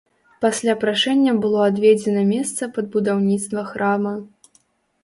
Пасля прашэння было адведзена месца пад будаўніцтва храма.